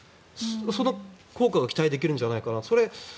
その効果が期待できるんじゃないかな。